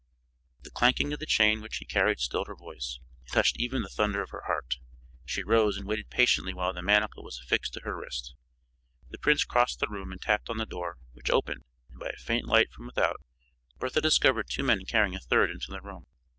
_" The clanking of the chain which he carried stilled her voice. It hushed even the thunder of her heart. She rose and waited patiently while the manacle was affixed to her wrist. The prince crossed the room and tapped on the door, which opened, and by a faint light from without Bertha discovered two men carrying a third into the room.